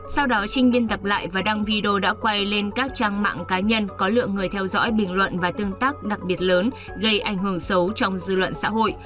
sau đó trinh biên tập lại và đăng video đã quay lên các trang mạng cá nhân có lượng người theo dõi bình luận và tương tác đặc biệt lớn gây ảnh hưởng xấu trong dư luận xã hội